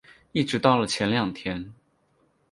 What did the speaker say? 一直到了前两天